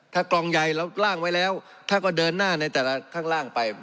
ถ้ากล่องใหญ่เราล่างไว้แล้วท่านก็เดินหน้าในแต่ละข้างล่างไป